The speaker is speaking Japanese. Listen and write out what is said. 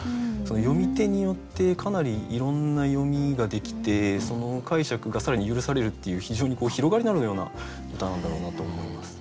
読み手によってかなりいろんな読みができてその解釈が更に許されるっていう非常に広がりのあるような歌なんだろうなと思います。